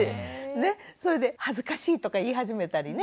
それで「恥ずかしい」とか言い始めたりね。